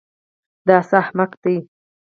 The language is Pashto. دا څه احمق دی.